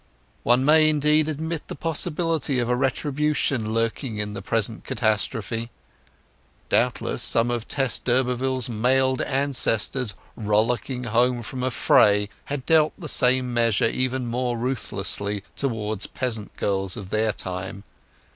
One may, indeed, admit the possibility of a retribution lurking in the present catastrophe. Doubtless some of Tess d'Urberville's mailed ancestors rollicking home from a fray had dealt the same measure even more ruthlessly towards peasant girls of their time.